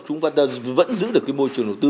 chúng ta vẫn giữ được cái môi trường đầu tư